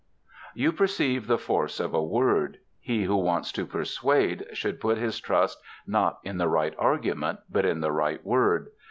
You perceive the force of a word. He who wants to persuade should put his trust not in the right argument, but in the right word.